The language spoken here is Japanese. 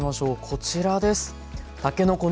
こちらです。